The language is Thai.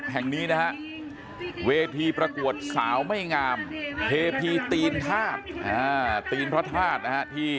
แห่งนี้นะฮะเวทีประกวดสาวไม่งามเทพีตีนธาตุตีนพระธาตุนะฮะที่